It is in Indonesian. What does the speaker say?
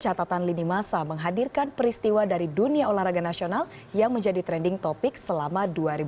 catatan lini masa menghadirkan peristiwa dari dunia olahraga nasional yang menjadi trending topic selama dua ribu dua puluh